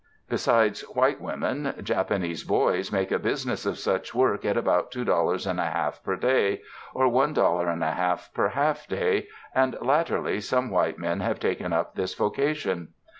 Besides white women, Japanese "boys" make a business of such work at about two dollars and a half per day, or one dollar and a half per half day, and latterly some white men have taken up this voca tion.